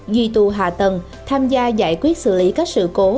ghi tu hạ tầng tham gia giải quyết xử lý các sự cố hạ tầng